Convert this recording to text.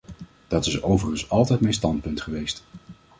Dat is overigens altijd mijn standpunt geweest.